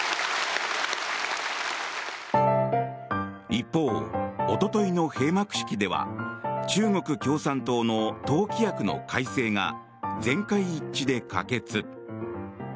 一方、おとといの閉幕式では中国共産党の党規約の改正が全会一致で可決。